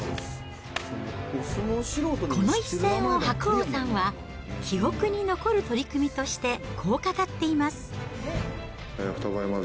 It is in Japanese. この一戦を白鵬さんは、記憶に残る取組としてこう語っています。